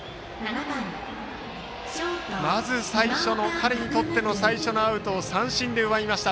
まず彼にとって最初のアウトを三振で奪いました。